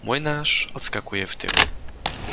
Młynarz odskakuje w tył.